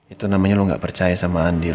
itu namanya lo gak percaya sama andil